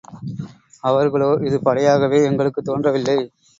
அவர்களோ, இது படையாகவே எங்களுக்குத் தோன்றவில்லை.